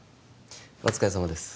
お疲れさまです